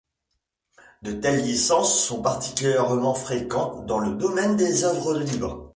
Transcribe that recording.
De telles licences sont particulièrement fréquentes dans le domaine des œuvres libres.